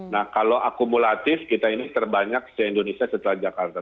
nah kalau akumulatif kita ini terbanyak se indonesia setelah jakarta